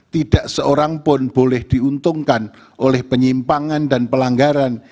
tidak seorang pun boleh diuntungkan oleh penyimpangan dan pelanggaran